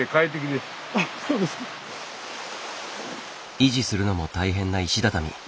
維持するのも大変な石畳。